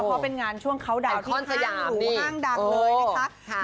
เพราะเป็นงานช่วงเคาน์ดาวที่ห้างหรูห้างดากเลยนะครับ